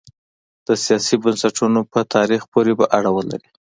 د سیاسي بنسټونو په تاریخ پورې به اړه ولري.